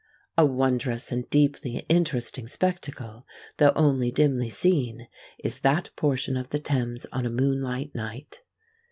A wondrous and deeply interesting spectacle, though only dimly seen, is that portion of the Thames on a moonlight night.